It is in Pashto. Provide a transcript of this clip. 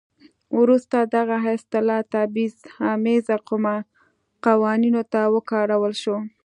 وروسته دغه اصطلاح تبعیض امیزه قوانینو ته وکارول شوه.